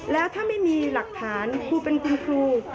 แล้วถ้าไม่มีหลักฐานครูเป็นคุณครู